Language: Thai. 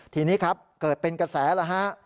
ทีนี้ครับเกิดเป็นกระแสแล้วฮะ